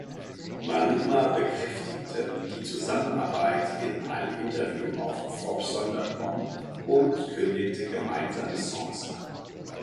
Maluma bekräftigte die Zusammenarbeit in einem Interview auf Forbesonderscom und kündigte gemeinsame Songs an.